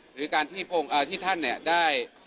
หรือการที่ท่านเนี่ยได้